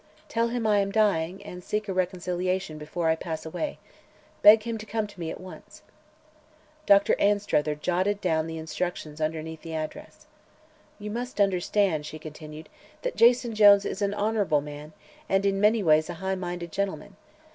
"Tell him I am dying and seek a reconciliation before I pass away. Beg him to come to me at once." Dr. Anstruther jotted down the instructions underneath the address. "You must understand," she continued, "that Jason Jones is an honorable man and in many ways a high minded gentleman.